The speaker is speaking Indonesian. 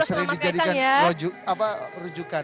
sering dijadikan rujukan